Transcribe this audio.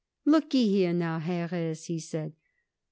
"Look y here, now, Harris," he said.